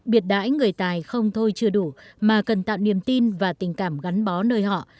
biệt đãi người tài không thôi chưa đủ mà cần tạo niềm tin và tình cảm gắn bó nơi họ